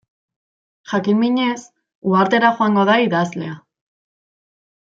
Jakin-minez, uhartera joango da idazlea.